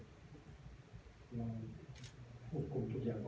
ปกปรุกทุกอย่างโดยเขาทีแล้ว